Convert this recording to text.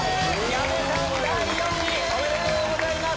第４位おめでとうございます！